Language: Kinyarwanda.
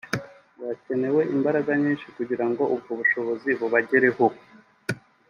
ngo hakenewe imbaraga nyinshi kugirango ubwo bushobozi bubagereho